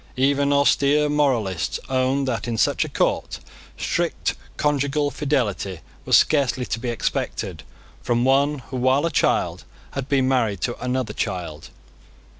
Even austere moralists owned that, in such a court, strict conjugal fidelity was scarcely to be expected from one who, while a child, had been married to another child.